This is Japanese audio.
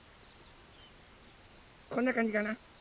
こんなかんじかな？